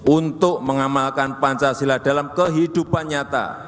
untuk mengamalkan pancasila dalam kehidupan nyata